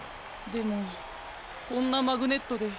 でもこんなマグネットで。